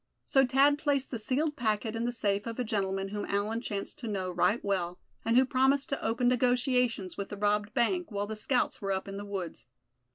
So Thad placed the sealed packet in the safe of a gentleman whom Allan chanced to know right well, and who promised to open negotiations with the robbed bank, while the scouts were up in the woods.